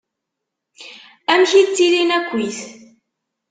Amek i ttilin akkit?